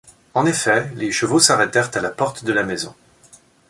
En effet, les chevaux s’arrêtèrent à la porte de la maison.